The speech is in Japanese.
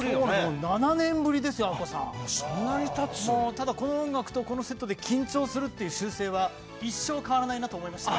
ただこの音楽とこのセットで緊張するっていう習性は一生変わらないなと思いました。